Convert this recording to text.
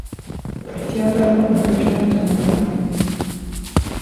بې احتیاطه رنګونه وېښتيان زیانمنوي.